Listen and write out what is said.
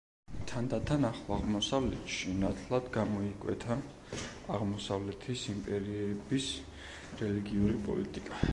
თანდათან ახლო აღმოსავლეთში ნათლად გამოიკვეთა აღმოსავლეთის იმპერიების რელიგიური პოლიტიკა.